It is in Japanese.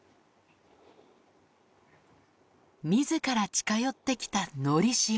みずから近寄ってきた、のりしお。